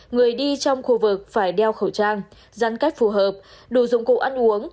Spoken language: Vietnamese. người đi trong khu vực phải đeo khẩu trang giãn cách phù hợp đủ dụng cụ ăn uống